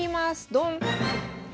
ドン！